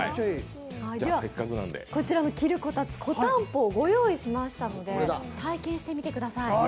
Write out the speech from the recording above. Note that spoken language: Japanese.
こちらの着るこたつ、こたんぽをご用意しましたので、体験してみてください。